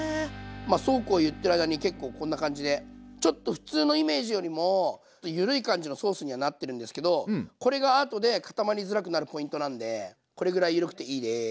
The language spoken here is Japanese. まあそうこう言ってる間に結構こんな感じでちょっと普通のイメージよりもゆるい感じのソースにはなってるんですけどこれが後で固まりづらくなるポイントなんでこれぐらいゆるくていいです。